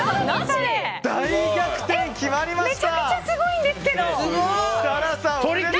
大逆転決まりました！